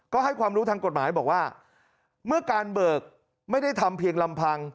ก็ให้ความรู้ทางกฎหมายบอกว่าเมื่อการเบิกไม่ได้ทำเพียงลำพัง